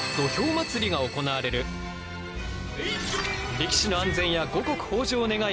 力士の安全や五穀豊穣を願い